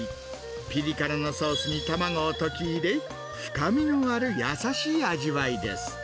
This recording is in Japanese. ぴり辛のソースに卵を溶き入れ、深みのある優しい味わいです。